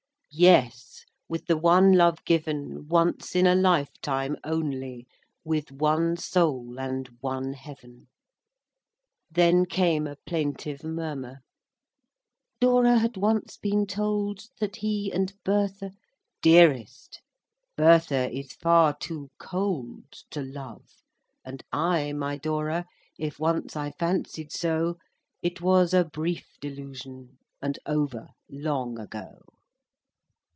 "Yes, with the one love given Once in a lifetime only, With one soul and one heaven!" XII. Then came a plaintive murmur,— "Dora had once been told That he and Bertha—" "Dearest, Bertha is far too cold To love; and I, my Dora, If once I fancied so, It was a brief delusion, And over,—long ago."